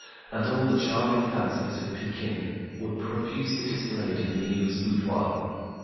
and all the charming fancies of Pekin, — were pro fusely displayed in Le ou's boudoir.